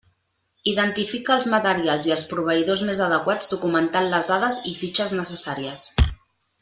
Identifica els materials i els proveïdors més adequats documentant les dades i fitxes necessàries.